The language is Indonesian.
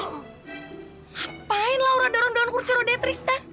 ngapain laura dorong dorong kurci roda ya tristan